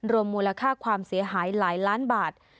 รวมมูลค่าความเสียหายหลายล้านบาท